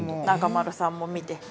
中丸さんも見て。